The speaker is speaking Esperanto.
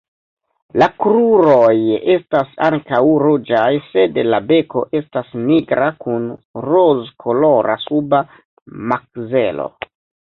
La kruroj estas ankaŭ ruĝaj sed la beko estas nigra kun rozkolora suba makzelo.